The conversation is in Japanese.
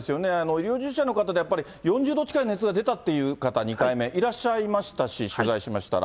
医療従事者の方で、やっぱり４０度近い熱が出たという方、２回目、いらっしゃいましたし、取材しましたら。